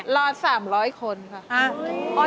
รอ๓๐๐คนค่ะ